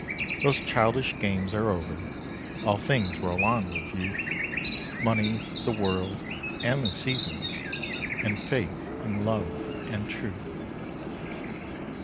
Those childish games are over, All things roll on with youth, Money, the world, and the seasons, And faith and love and truth.